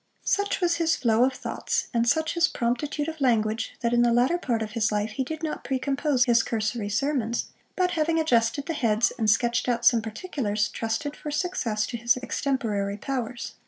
Such was his flow of thoughts, and such his promptitude of language, that in the latter part of his life he did not precompose his cursory sermons; but having adjusted the heads, and sketched out some particulars, trusted for success to his extemporary powers.